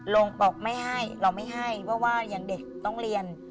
โรงประอบแปลกไม่ให้เพราะว่ายังเด็กต้องเรียน